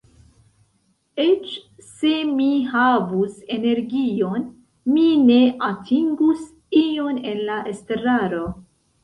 Eĉ se mi havus energion, mi ne atingus ion en la estraro.